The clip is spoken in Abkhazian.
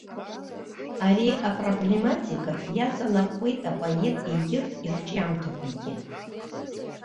Ари апроблематика иаҵанакуеит апоет егьырҭ ирҿиамҭақәагьы.